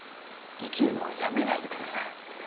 生きるのをやめないでください